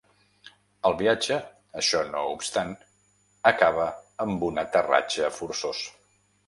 El viatge, això no obstant, acaba amb un aterratge forçós.